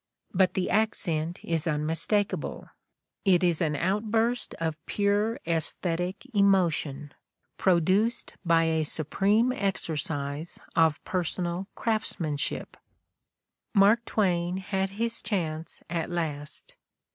But the accent is unmistakable. It is an out 48 The Ordeal of Mark Twain burst of pure sssthetic emotion, produced by a supreme exercise of personal craftsmanship. Mark Twain had his chance at last